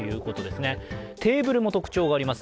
テーブルも特徴があります。